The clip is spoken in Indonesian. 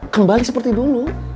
kembali seperti dulu